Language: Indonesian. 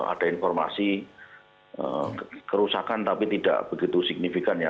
ada informasi kerusakan tapi tidak begitu signifikan ya